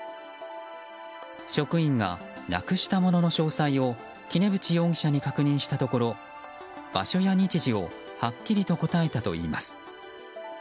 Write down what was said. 職員がなくしたものの詳細を杵渕容疑者に確認したところ場所や日時をはっきりと答えたといいます。